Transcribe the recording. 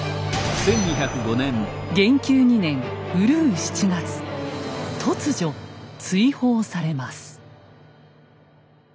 元久２年閏７月突如追放されます。